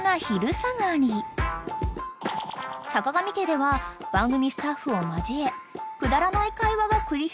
［さかがみ家では番組スタッフを交えくだらない会話が繰り広げられていた］